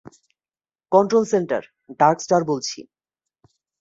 Control centre, Darkstar বলছি।